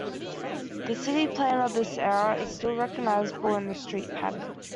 The city plan of this era is still recognisable in the street-pattern.